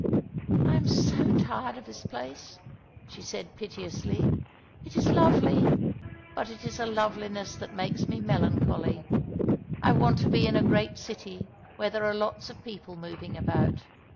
" I am so tired of this place," she said piteously. " It is lovely ; but it is a loveliness that makes me melancholy. I want to be in a great city where there are lots of people moving about.